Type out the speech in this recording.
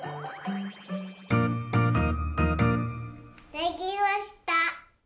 できました！